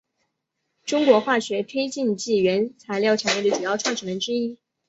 中国化学推进剂原材料产业的主要创始人之一。